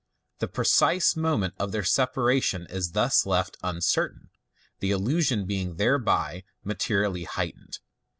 40$ The precise moment of their separation is thus left uncertain, the illusion being thereby materially heightened.